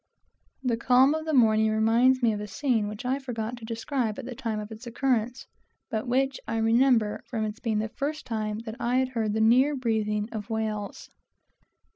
The calm of the morning reminds me of a scene which I forgot to describe at the time of its occurrence, but which I remember from its being the first time that I had heard the near breathing of whales.